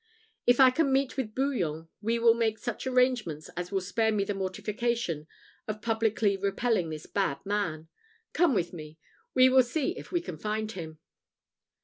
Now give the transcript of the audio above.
If I can meet with Bouillon, we will make such arrangements as will spare me the mortification of publicly repelling this bad man. Come with me; we will see if we can find him."